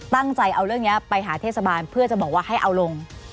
ตั้งใจเอาเรื่องนี้ไปหาเทศบาลเพื่อจะบอกว่าให้เอาลง